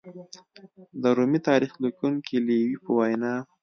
د رومي تاریخ لیکونکي لېوي په وینا